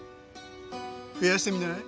増やしてみない？